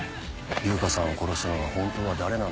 悠香さんを殺したのが本当は誰なのか